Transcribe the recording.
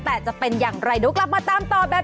แต่จะเป็นอย่างไรดูกลับมาตามต่อ